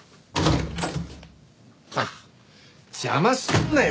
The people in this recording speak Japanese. ああ邪魔すんなよ！